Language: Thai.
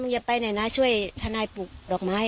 มันอยากไปหน่อยซ้ญช่วยท่านายปลูกหลอกไม้